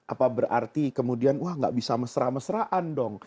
apa berarti kemudian wah gak bisa mesra mesraan dong